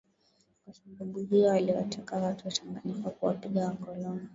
kwa sababu hiyo aliwataka watu wa Tanganyika kuwapinga wakoloni